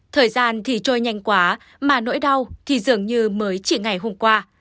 thời gian thì trôi nhanh quá mà nỗi đau thì dường như mới chỉ ngày hôm qua